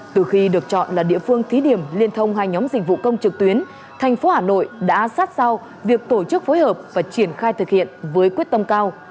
từ khi được chọn là địa phương thí điểm liên thông hai nhóm dịch vụ công trực tuyến thành phố hà nội đã sát sao việc tổ chức phối hợp và triển khai thực hiện với quyết tâm cao